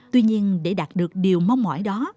tuy nhiên để đạt được điều mong mỏi đó